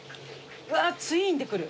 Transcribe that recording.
うわツインで来る。